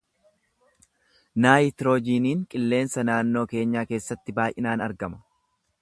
Naayitiroojiiniin qilleensa naannoo keenyaa keessatti baay’inaan argama.